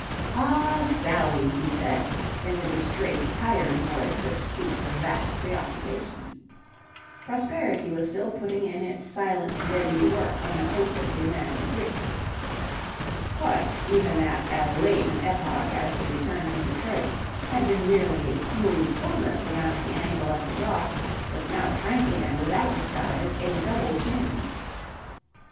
"Ah, Sally!" he said in the distrait, tired voice which speaks of vast preoccupations. Prosperity was still putting in its silent, deadly work on the Hope of the American Theatre. What, even at as late an epoch as the return from Detroit, had been merely a smooth fullness around the angle of the jaw was now frankly and without disguise a double chin.